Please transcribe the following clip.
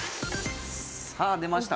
さあ出ました。